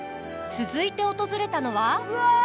続いて訪れたのは。